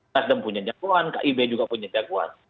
nasdem punya jagoan kib juga punya jagoan